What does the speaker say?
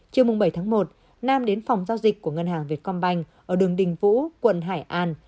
chiều bảy một nam đến phòng giao dịch của ngân hàng vietcombank ở đường đình vũ quận hải an